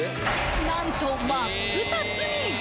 なんと真っ二つに！